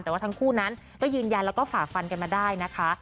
แต่ว่าทั้งคู่นั้นก็ยืนยันแล้วก็ฝ่าฟันกันมาได้นะคะ